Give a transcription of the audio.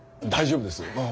大丈夫です。